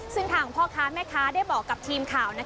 ซึ่งทางพ่อค้าแม่ค้าได้บอกกับทีมข่าว